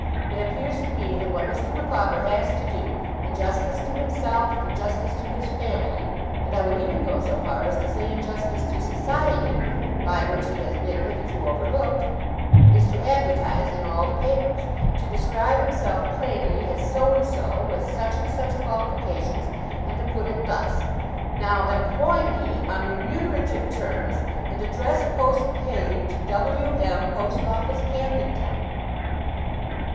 It appears to me, that what Mr. Micawber has to do, in justice to himself, in justice to his family, and I will even go so far as to say in justice to society, by which he has been hitherto overlooked, is to advertise in all the papers; to describe himself plainly as so and so, with such and such qualifications and to put it thus: "Now employ me, on remunerative terms, and address, post paid, to W. M., Post Office, Camden Town."